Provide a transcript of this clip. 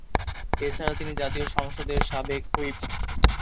এছাড়া তিনি জাতীয় সংসদের সাবেক হুইপ।